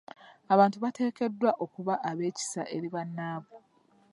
Abantu bateekeddwa okuba ab'ekisa eri bannaabwe.